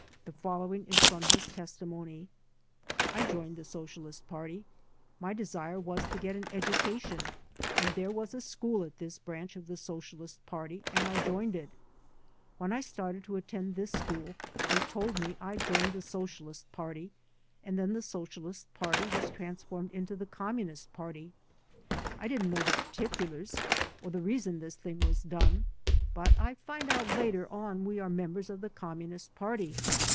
The following is from his testimony: "I joined the Socialist Party. My desire was to get an edu cation and there was a school at this branch of the Socialist Party and I joined it When I started to attend this school they told me I joined the Socialist Party and then the Socialist Party was transformed into the G)mmunist Party. I didn't know the particulars or the reason this thing was done^ but I find out later on we are members of the G)mmunist Party.